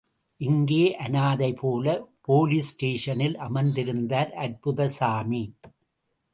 இங்கே அநாதைபோல, போலீஸ் ஸ்டேஷனில் அமர்ந்திருந்தார் அற்புதசாமி.